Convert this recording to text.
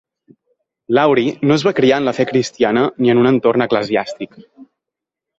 Laurie no es va criar en la fe cristiana ni en un entorn eclesiàstic.